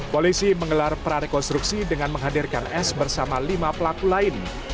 polisi menggelar prarekonstruksi dengan menghadirkan s bersama lima pelaku lain